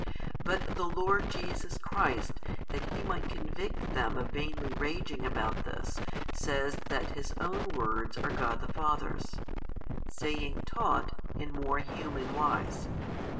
But the Lord Jesus Christ that He might convict them of vainly raging about this says that His own Words are God the Father's, saying Taught in more human wise.